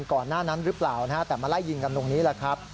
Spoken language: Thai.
ก่อนหน้านั้นหรือเปล่านะฮะแต่มาไล่ยิงกันตรงนี้แหละครับ